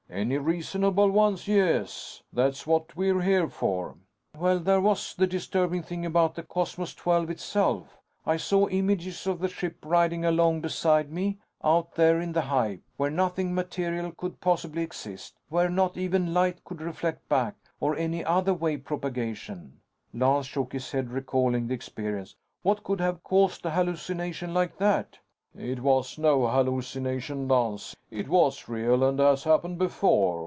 "Any reasonable ones, yes. That's what we're here for." "Well, there was the disturbing thing about the Cosmos XII, itself. I saw images of the ship riding along beside me, out there in the hype. Where nothing material could possibly exist. Where not even light could reflect back, or any other wave propagation." Lance shook his head, recalling the experience. "What could have caused a hallucination like that?" "It was no hallucination, Lance. It was real and has happened before.